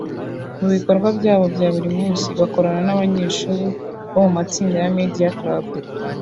Mu bikorwa byabo bya buri munsi bakorana n’abanyeshuri bo mu matsinda ya ’Media Club